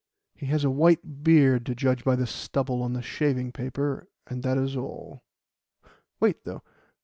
He has a white beard, to judge by the stubble on the shaving paper, and that is all. Wait, though.